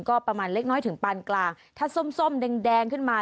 ก็ประมาณเล็กน้อยถึงปานกลางถ้าส้มส้มแดงขึ้นมา